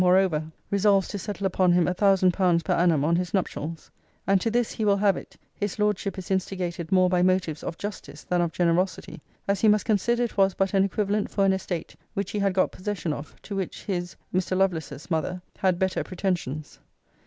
moreover resolves to settle upon him a thousand pounds per annum on his nuptials. And to this, he will have it, his lordship is instigated more by motives of justice than of generosity; as he must consider it was but an equivalent for an estate which he had got possession of, to which his (Mr. Lovelace's) mother had better pretensions.